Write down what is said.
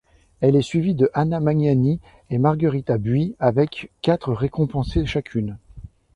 Elle est suivie de Anna Magnani et Margherita Buy avec quatre récompensés chacune.